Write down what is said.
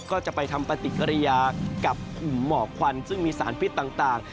ก็จะไปทำปฏิกิริยากับกลุ่มหมอกควันซึ่งมีสารพิษต่าง